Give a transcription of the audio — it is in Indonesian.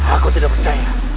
aku tidak percaya